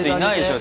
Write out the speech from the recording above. で